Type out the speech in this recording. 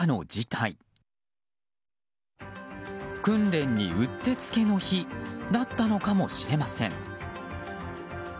訓練にうってつけの日だったのかもしれません。